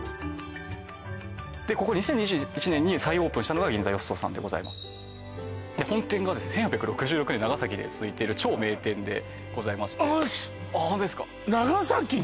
ここ２０２１年に再オープンしたのが銀座宗さんでございます本店がですね１８６６年長崎で続いてる超名店でございましてあっ長崎の？